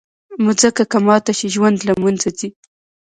مځکه که ماته شي، ژوند له منځه ځي.